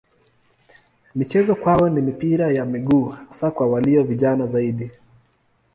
Michezo kwao ni mpira wa miguu hasa kwa walio vijana zaidi.